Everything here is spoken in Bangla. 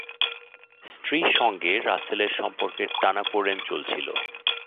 স্ত্রীর সঙ্গে রাসেলের সম্পর্কের টানাপোড়েন চলছিল।